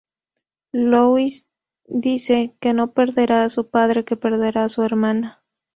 Lois dice que no perderá a su padre, que perderá a su hermana.